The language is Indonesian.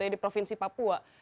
di provinsi papua